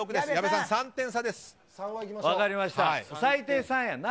最低３やんな。